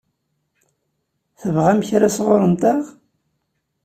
Tebɣam kra sɣur-nteɣ?